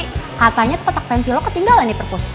katanya kotak pensil lo ketinggalan di perkus